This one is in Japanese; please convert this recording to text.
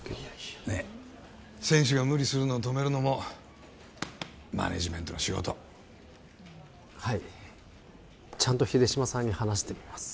いやいや選手が無理するのを止めるのもマネージメントの仕事はいちゃんと秀島さんに話してみます